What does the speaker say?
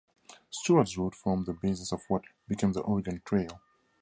Stuart's route formed the basis of what became the Oregon Trail.